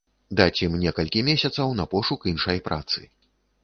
Даць ім некалькі месяцаў на пошук іншай працы.